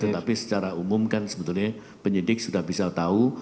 tetapi secara umum kan sebetulnya penyidik sudah bisa tahu